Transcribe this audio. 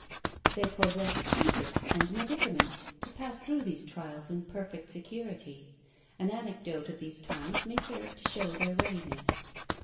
They possessed secrets and medicaments, to pass through these trials in perfect security. An anecdote of these times may serve to show their readiness.